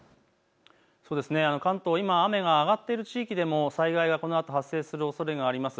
関東、今、雨が上がっている地域でも災害がこのあと発生するおそれがあります。